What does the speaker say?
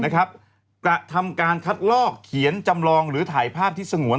กระทำการคัดลอกเขียนจำลองหรือถ่ายภาพที่สงวน